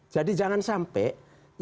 jadi jangan sampai